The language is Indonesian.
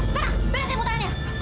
sana beresin mutanya